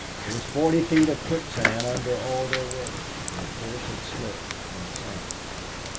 There was forty feet of quicksand under all their work and of course it slipped and sank."